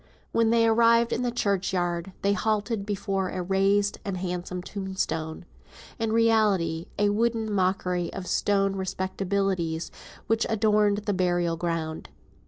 When they arrived in the churchyard, they halted before a raised and handsome tombstone; in reality a wooden mockery of stone respectabilities which adorned the burial ground.